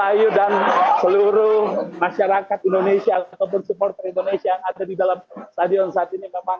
ayu dan seluruh masyarakat indonesia ataupun supporter indonesia yang ada di dalam stadion saat ini memang